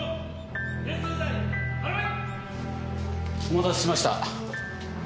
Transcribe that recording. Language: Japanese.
お待たせしました。